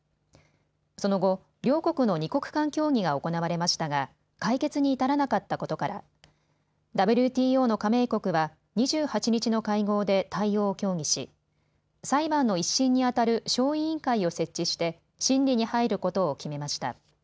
その後、両国の２国間協議が行われましたが解決に至らなかったことからＷＴＯの加盟国は２８日の会合で対応を協議し裁判の１審にあたる小委員会を設置して審理に入ることを決めました。